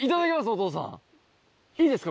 お父さんいいですか？